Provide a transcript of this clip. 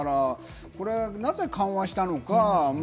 なぜ緩和したのか。